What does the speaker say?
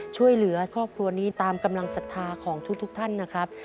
ช่วยเหลือครอบครัวนี้ตามกำลังศรัทธาของทุกท่านนะครับ